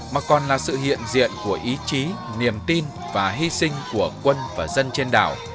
mà còn là sự hiện diện của ý chí niềm tin và hy sinh của quân và dân trên đảo